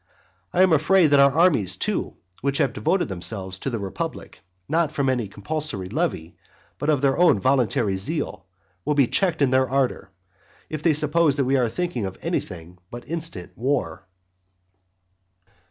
I am afraid that our armies too, which have devoted themselves to the republic, not from any compulsory levy, but of their own voluntary zeal, will be checked in their ardour, if they suppose that we are thinking of anything but instant war.